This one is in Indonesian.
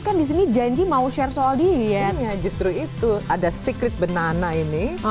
kan di sini janji mau share soal diet justru itu ada secret benana ini